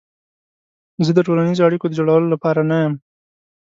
زه د ټولنیزو اړیکو د جوړولو لپاره نه یم.